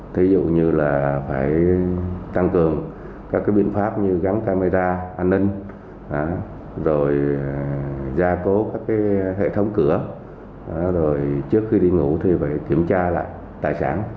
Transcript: thí dụ như là phải tăng cường các biện pháp như gắn camera an ninh rồi gia cố các hệ thống cửa rồi trước khi đi ngủ thì phải kiểm tra lại tài sản